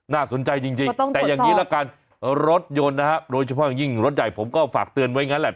น่าสนใจจริงแต่อย่างนี้ละกันรถยนต์นะฮะโดยเฉพาะอย่างยิ่งรถใหญ่ผมก็ฝากเตือนไว้งั้นแหละ